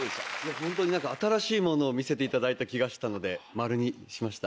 ホントに何か新しいものを見せていただいた気がしたので「○」にしました。